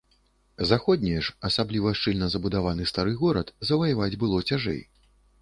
Заходнія ж, асабліва шчыльна забудаваны стары горад, заваяваць было цяжэй.